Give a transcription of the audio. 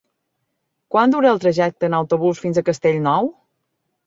Quant dura el trajecte en autobús fins a Castellnou?